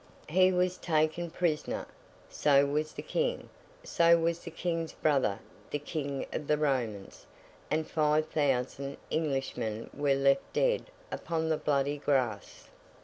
He was taken Prisoner; so was the King; so was the King's brother the King of the Romans; and five thousand Englishmen were left dead upon the bloody grass.